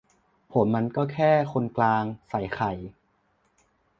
"ผมมันแค่คนกลาง" ใส่ไข่